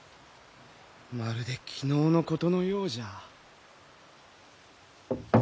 まるで昨日のことのようじゃ。